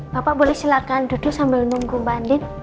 bapak boleh silahkan duduk sambil menunggu bu andin